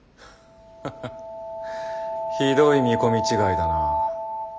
ハハひどい見込み違いだな。